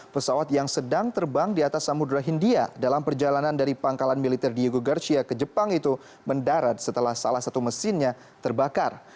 pesawat yang sedang terbang di atas samudera hindia dalam perjalanan dari pangkalan militer diego garsia ke jepang itu mendarat setelah salah satu mesinnya terbakar